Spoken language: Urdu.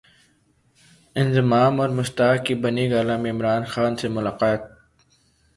انضمام اور مشتاق کی بنی گالا میں عمران خان سے ملاقات